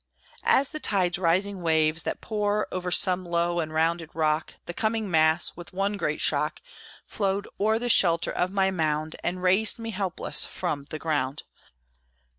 As the tide's rising waves, that pour Over some low and rounded rock, The coming mass, with one great shock, Flowed o'er the shelter of my mound, And raised me helpless from the ground.